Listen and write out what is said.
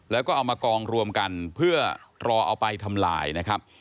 แล้วก็เอามากองรวมกันเพื่อรอเอาไปทำลายนะครับ